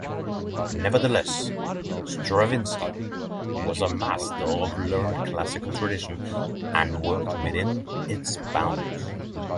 Nevertheless, Stravinsky was a master of learned classical tradition and worked within its bounds.